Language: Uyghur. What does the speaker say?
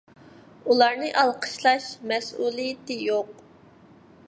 ئۇلارنى ئالقىشلاش مەسئۇلىيىتى يوق.